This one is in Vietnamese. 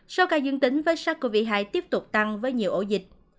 số ca dương tính với sars cov hai tiếp tục tăng với nhiều ổ dịch